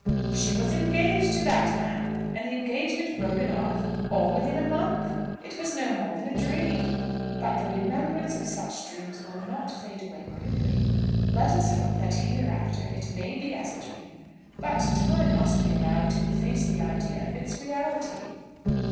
"She was engaged to that man, and the engagement broken off all within a month. It was no more than a dream." "But the remembrance of such dreams will not fade away quickly. Let us hope that hereafter it may be as a dream; but time must be allowed to efface the idea of its reality."